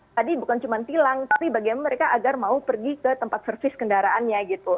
tadi bukan cuma tilang tapi bagaimana mereka agar mau pergi ke tempat servis kendaraannya gitu